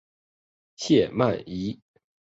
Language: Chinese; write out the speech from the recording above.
谢曼怡。